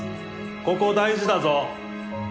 ここ大事だぞ。